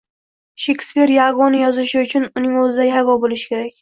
Shekspir Yagoni yozishi uchun uning o‘zida Yago bo‘lishi kerak.